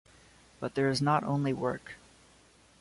But there is not only work.